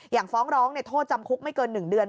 ฟ้องร้องโทษจำคุกไม่เกิน๑เดือน